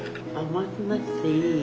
甘くなくていい？